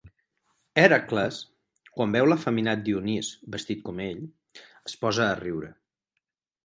Hèracles, quan veu l'efeminat Dionís vestit com ell, es posa a riure.